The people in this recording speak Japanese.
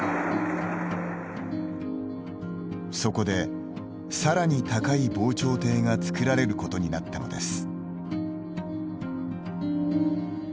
そこで、さらに高い防潮堤が造られることになったのです。